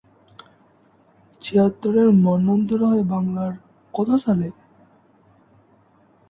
ছিয়াত্তরের মন্বন্তর হয় বাংলা কত সালে?